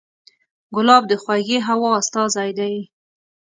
ګلاب د خوږې هوا استازی دی.